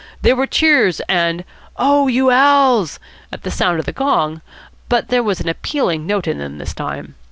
There were cheers and "Oh, you Al.'s!" at the sound of the gong, but there was an appealing note in them this time.